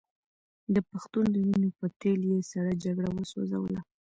د پښتون د وینو په تېل یې سړه جګړه وسوځوله.